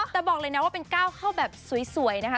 แต่บอกเลยนะว่าเป็นก้าวเข้าแบบสวยนะคะ